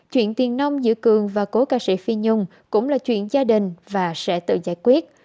chuyện tiền nông giữa cường và cố ca sĩ phi nhung cũng là chuyện gia đình và sẽ tự giải quyết